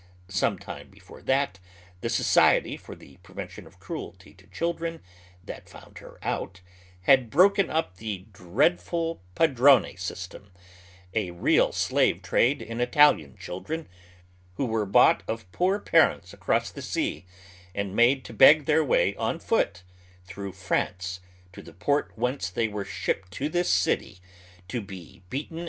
Some time before that, the Society for the Pi evention of Cruelty to Children, that found her out, had broken up the dreadful padrone system, a real slave trade in Italian children, wlio were bought of poor parents across the sea and made to beg tiieir way on foot through France to the port whence they were shipped to this city, to be beaten oy Google PAUI'EKISM IN THE TENEMENTS.